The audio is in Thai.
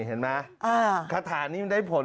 เห็นไหมคาถานี้มันได้ผล